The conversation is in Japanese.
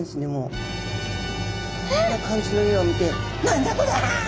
こんな感じの絵を見て「何じゃこりゃ！」。